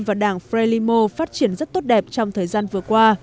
và đảng frelimo phát triển rất tốt đẹp trong thời gian vừa qua